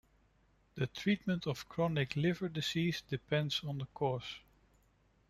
The treatment of chronic liver disease depends on the cause.